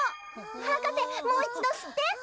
はかせもういちどすって！